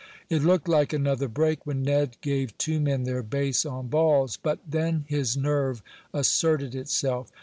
It looked like another break when Ned gave two men their base on balls, but then his nerve asserted itself.